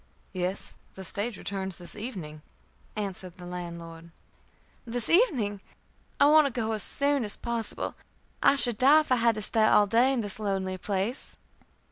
"Yes; the stage returns this evening," answered the landlord. "This evening! I want to go as soon as possible. I should die if I had to stay all day in this lonely place."